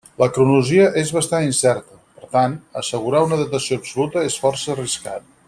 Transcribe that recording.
La cronologia és bastant incerta; per tant, assegurar una datació absoluta és força arriscat.